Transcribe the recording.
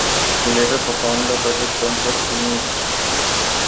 He later formed the project Princess Tinymeat.